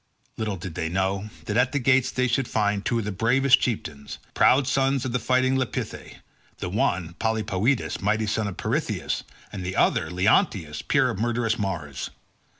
Little did they know that at the gates they should find two of the bravest chieftains, proud sons of the fighting Lapithae—the one, Polypoetes, mighty son of Pirithous, and the other Leonteus, peer of murderous Mars.